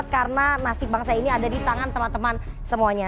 dua ribu dua puluh empat karena nasib bangsa ini ada di tangan teman teman semuanya